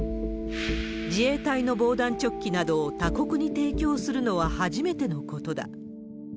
自衛隊の防弾チョッキなどを他国に提供するのは初めてのことだ。